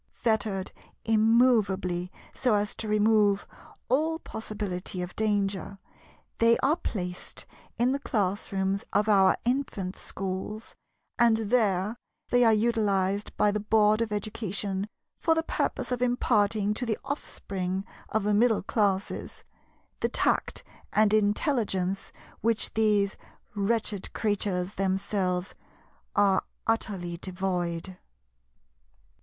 Fettered immovably so as to remove all possibility of danger, they are placed in the classrooms of our Infant Schools, and there they are utilized by the Board of Education for the purpose of imparting to the offspring of the Middle Classes the tact and intelligence which these wretched creatures themselves are utterly devoid.